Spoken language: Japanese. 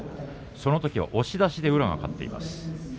そのときは押し出しで宇良が勝っています。